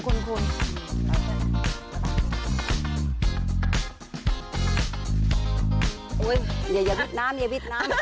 คุณพาเร็ว